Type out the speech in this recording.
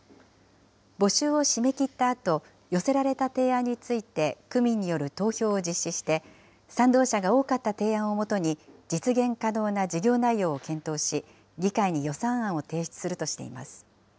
募集を締め切ったあと、寄せられた提案について、区民による投票を実施して、賛同者が多かった提案をもとに、実現可能な事業内容を検討し、議会に予算案を提出するとしています。